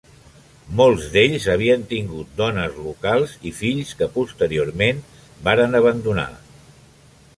Molts d'ells havien tingut dones locals i fills que posteriorment varen abandonar.